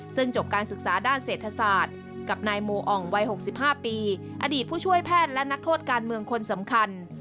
ซึ่งจบการศึกษาด้านเศรษฐศาสตร์กับนายโมอ่องวัย๖๕ปีอดีตผู้ช่วยแพทย์และนักโทษการเมืองคนสำคัญ